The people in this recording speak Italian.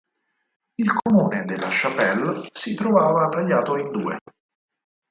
Il comune della Chapelle si trovava tagliato in due.